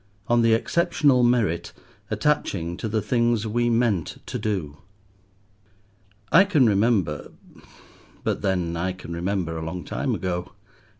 ON THE EXCEPTIONAL MERIT ATTACHING TO THE THINGS WE MEANT TO DO I CAN remember—but then I can remember a long time ago.